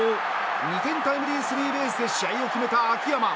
２点タイムリースリーベースで試合を決めた秋山。